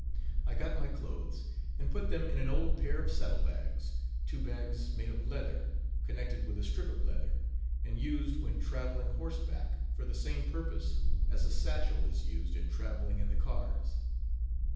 I got my clothes, and put them in an old pair of saddle bags two bags made of leather, connected with a strip of leather, and used when traveling horseback for the same purpose as a satchel is used in traveling in the cars.